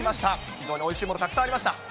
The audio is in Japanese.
非常においしいもの、たくさんありました。